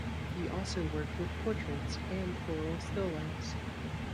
He also worked with portraits and floral still lifes.